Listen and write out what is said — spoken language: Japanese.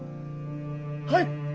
はい！